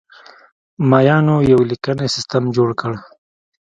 مایانو یو لیکنی سیستم جوړ کړ